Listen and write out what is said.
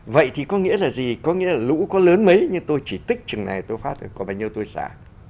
vậy thì có nghĩa là gì có nghĩa là lũ có lớn mấy nhưng tôi chỉ tích chừng này tôi phát thôi có bao nhiêu tôi xã